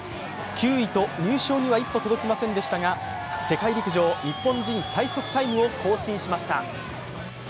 ９位と入賞には一歩届きませんでしたが世界陸上日本人最速タイムを更新しました。